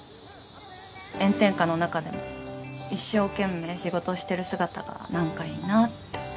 炎天下の中でも一生懸命仕事してる姿が何かいいなって。